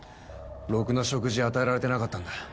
ろくな食事与えられてなかったんだ。